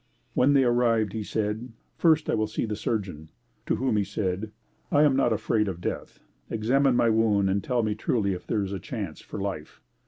When they arrived he said, "First I will see the surgeon," to whom he said, "I am not afraid of death. Examine my wound and tell me truly if there is a chance for life."